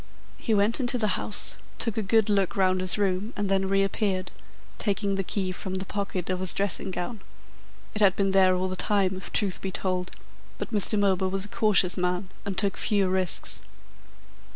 He went into the house, took a good look round his room, and then reappeared, taking the key from the pocket of his dressing gown. It had been there all the time, if the truth be told, but Mr. Milburgh was a cautious man and took few risks.